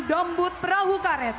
dambut perahu karet